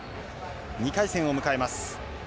２回戦を迎えます。